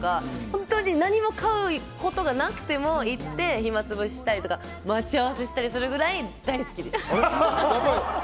本当に何も買うことがなくても行って暇つぶししたりとか待ち合わせしたりとか大好きです。